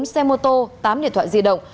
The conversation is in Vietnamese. bốn xe mô tô tám điện thoại di động